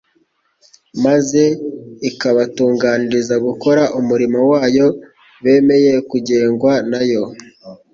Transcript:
maze ikabatunganiriza gukora umurimo wayo bemeye kugengwa na Yo.